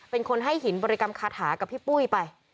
เป็นคนให้หินบริกรรมคาถากับพี่ปุ้ยไป